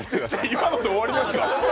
今ので終わりですか。